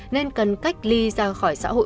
nên cần cách ly ra khỏi xã hội